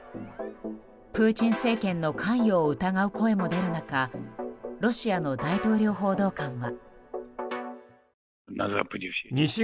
プーチン政権の関与を疑う声も出る中ロシアの大統領報道官は。